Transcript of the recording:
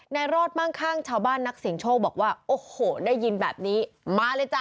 รอดมั่งข้างชาวบ้านนักเสียงโชคบอกว่าโอ้โหได้ยินแบบนี้มาเลยจ้ะ